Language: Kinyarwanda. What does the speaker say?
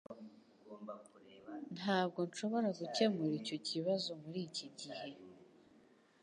Ntabwo nshobora gukemura icyo kibazo muri iki gihe